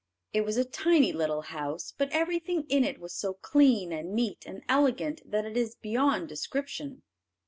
It was a tiny little house, but everything in it was so clean and neat and elegant that it is beyond description.